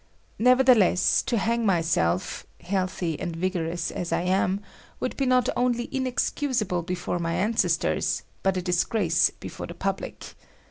Nevertheless, to hang myself,—healthy and vigorous as I am,—would be not only inexcusable before my ancestors but a disgrace before the public.